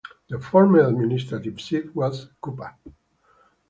The former administrative seat was Cupar.